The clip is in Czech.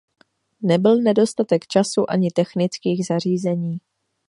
Nebyl nedostatek času ani technických zařízení.